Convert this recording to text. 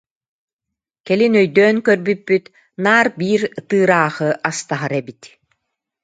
Кэлин өйдөөн көрбүппүт: наар биир тыыраахы ас таһар эбит